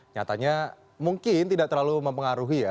nyatanya mungkin tidak terlalu mempengaruhi ya